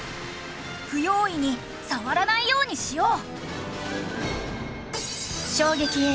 不用意に触らないようにしよう！